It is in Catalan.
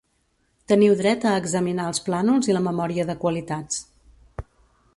Teniu dret a examinar els plànols i la memòria de qualitats.